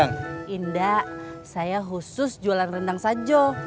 enggak saya khusus jualan rendang sajo